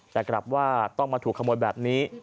แต่กลับว่าต้องมาถูกขโมยแบบนี้